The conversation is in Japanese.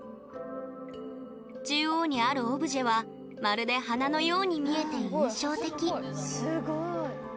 中央にあるオブジェはまるで花のように見えて印象的。